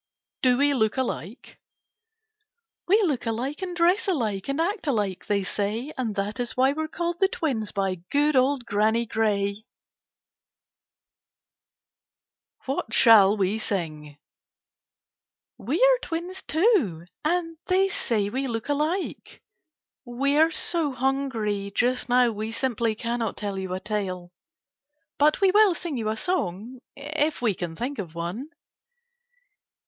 DO WE LOOK ALIKE We look alike and dress alike, And act alike, they say, And that is why we 're called the Twins By good old Granny Gray. 68 KITTENS AND CATS WHAT SHALL WE SING We are twins too, and they say we look alike. We are so hungry just now we simply cannot tell you a tale. But we will sing you a song, — if we can think of one.